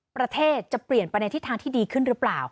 ประเทศจะเปลี่ยนไปในทิศทางที่ดีขึ้นหรือเปล่า